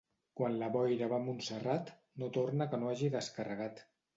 Quan la boira va a Montserrat, no torna que no hagi descarregat.